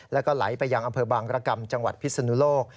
แล้วก็ไหลไปยังอำเภอบางรกรรมจังหวัดพิศนุโลก